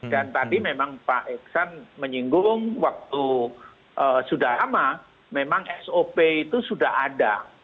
tadi memang pak iksan menyinggung waktu sudah lama memang sop itu sudah ada